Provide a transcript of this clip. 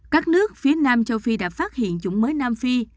các nước phía nam châu phi đã phát hiện chủng mới nam phi